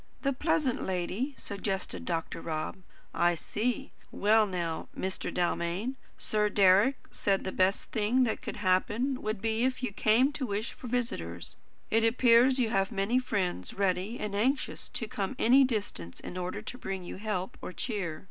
"The pleasant lady?" suggested Dr. Rob. "I see. Well now, Mr. Dalmain, Sir Deryck said the best thing that could happen would be if you came to wish for visitors. It appears you have many friends ready and anxious to come any distance in order to bring you help or cheer.